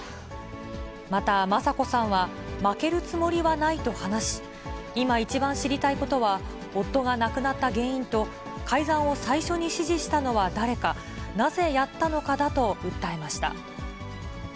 また、雅子さんは、負けるつもりはないと話し、今一番知りたいことは、夫が亡くなった原因と、改ざんを最初に指示したのは誰か、なぜやったのかだと訴えました。